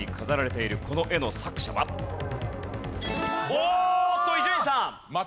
おーっと伊集院さん。